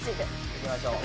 いきましょう。